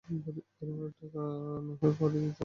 বাড়িভাড়ার টাকা নাহয় পরেই দিতে?